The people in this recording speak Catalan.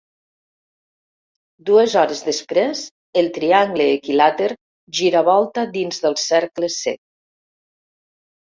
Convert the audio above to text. Dues hores després, el triangle equilàter giravolta dins del cercles cec.